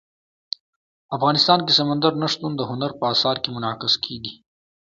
افغانستان کې سمندر نه شتون د هنر په اثار کې منعکس کېږي.